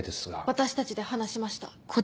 私たちで話しました。